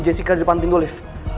wajih kak tolong jangan lari